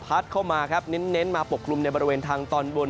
พัดเข้ามาเน้นมาปกปรุงในบริเวณทางตอนบน